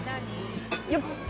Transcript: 「よっ！